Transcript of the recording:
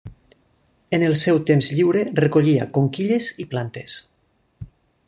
En el seu temps lliure recollia conquilles i plantes.